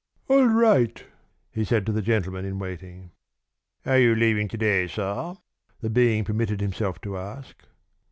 "All right," he said to the gentleman in waiting. "Are you leaving to day, sir?" the being permitted himself to ask.